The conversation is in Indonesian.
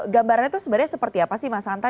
gambarannya itu sebenarnya seperti apa sih mas hanta